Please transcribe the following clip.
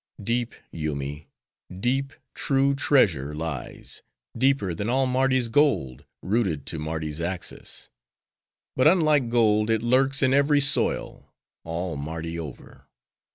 Deep, Yoomy, deep, true treasure lies; deeper than all Mardi's gold, rooted to Mardi's axis. But unlike gold, it lurks in every soil,—all Mardi over.